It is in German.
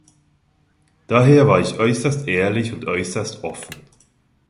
Daher war ich äußerst ehrlich und äußerst offen.